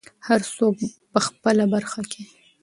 هر څوک په خپله برخه کې.